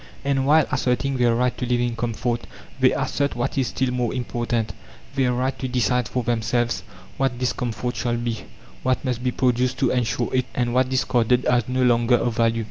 And while asserting their right to live in comfort, they assert, what is still more important, their right to decide for themselves what this comfort shall be, what must be produced to ensure it, and what discarded as no longer of value.